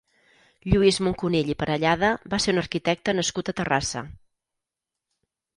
Lluís Muncunill i Parellada va ser un arquitecte nascut a Terrassa.